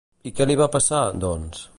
I què li va passar, doncs?